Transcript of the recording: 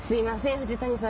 藤谷さん